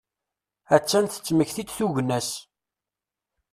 A-tt-an tettmekti-d tugna-as.